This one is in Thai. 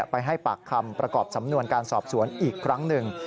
ไปให้ปากคำประกอบสำนวนการสอบสวนอีกครั้งหนึ่ง